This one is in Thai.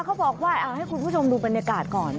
เขาบอกว่าเอาให้คุณผู้ชมดูบรรยากาศก่อน